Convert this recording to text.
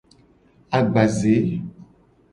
Agbaze.